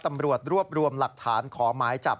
ตำรวจรวบรวมหลักฐานขอหมายจับ